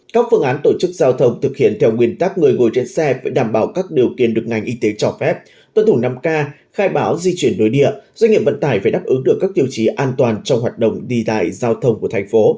các phương án tổ chức giao thông thực hiện theo nguyên tắc người ngồi trên xe phải đảm bảo các điều kiện được ngành y tế cho phép tuân thủ năm k khai báo di chuyển nội địa doanh nghiệp vận tải phải đáp ứng được các tiêu chí an toàn trong hoạt động đi lại giao thông của thành phố